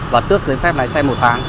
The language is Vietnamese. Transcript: và tước giấy phép lái xe một tháng